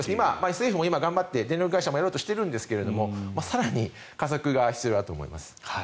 政府も今、頑張って電力会社もやろうとしているんですが更に加速が必要だと思います。